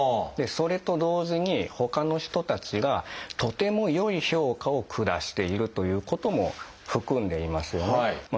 それと同時にほかの人たちがとても良い評価を下しているということも含んでいますよね。